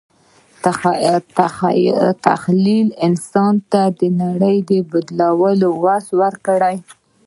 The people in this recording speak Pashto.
تخیل انسان ته د نړۍ د بدلولو وس ورکړی.